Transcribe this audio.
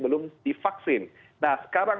belum divaksin nah sekarang